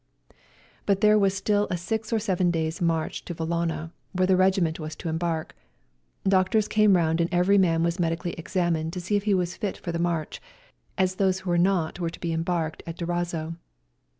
But there was still a six or seven days' march to Vallona, where the regiment was to embark. Doctors came round and every man was medically examined to see if he was fit for the march, as those who were not were to be embarked at Durazzo.